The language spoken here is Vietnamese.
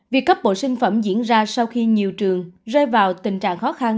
việc cấp bộ sinh phẩm diễn ra sau khi nhiều trường rơi vào tình trạng khó khăn